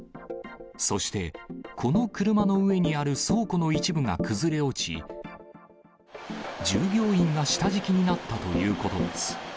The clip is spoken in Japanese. そして、この車の上にある倉庫の一部が崩れ落ち、従業員が下敷きになったということです。